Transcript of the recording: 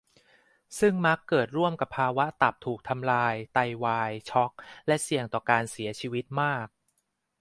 ซึ่งมักเกิดร่วมกับภาวะตับถูกทำลาย ไตวาย ช็อก และเสี่ยงต่อการเสียชีวิตมาก